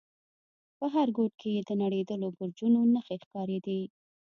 په هر گوټ کښې يې د نړېدلو برجونو نخښې ښکارېدې.